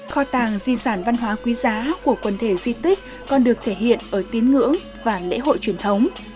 kho tàng di sản văn hóa quý giá của quần thể di tích còn được thể hiện ở tín ngưỡng và lễ hội truyền thống